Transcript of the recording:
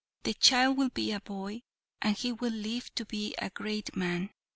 the child will be a boy, and he will live to be a great man.